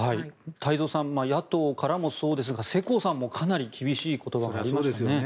太蔵さん野党からもそうですが世耕さんもかなり厳しい言葉がありましたね。